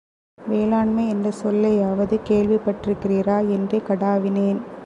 வேளாண்மை என்ற சொல்லையாவது கேள்விப்பட்டிருக்கின்றீரா? என்று கடாவினேன்.